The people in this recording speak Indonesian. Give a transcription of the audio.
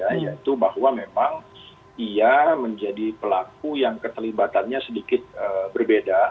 yaitu bahwa memang ia menjadi pelaku yang keterlibatannya sedikit berbeda